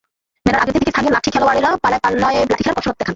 মেলার আগের দিন থেকেই স্থানীয় লাঠিখেলোয়াড়েরা পাড়ায় পাড়ায় লাঠিখেলার কসরত দেখান।